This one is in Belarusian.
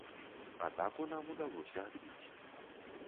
Атаку нам удалося адбіць.